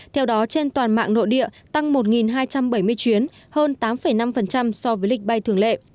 theo đó trên toàn mạng nội địa tăng một hai trăm bảy mươi chuyến hơn tám năm so với lịch bay thường lệ